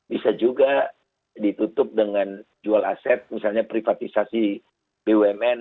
bisa juga ditutup dengan jual aset misalnya privatisasi bumn